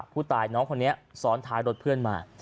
ผู้ตายน้องคนนี้ซ้อนท้ายรถเพื่อนมา